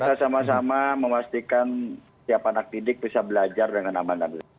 terima kasih mari kita sama sama memastikan siapa anak didik bisa belajar dengan aman aman